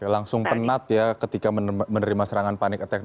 langsung penat ya ketika menerima serangan panic attack